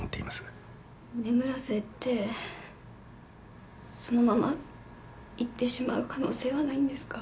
眠らせてそのまま逝ってしまう可能性はないんですか？